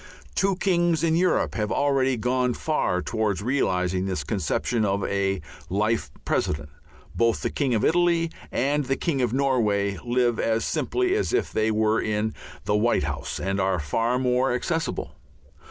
Two kings in Europe have already gone far towards realizing this conception of a life president; both the King of Italy and the King of Norway live as simply as if they were in the White House and are far more accessible.